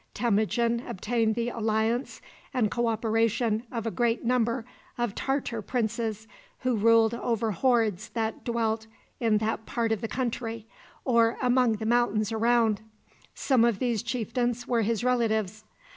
Temujin obtained the alliance and co operation of a great number of Tartar princes who ruled over hordes that dwelt in that part of the country, or among the mountains around. Some of these chieftains were his relatives.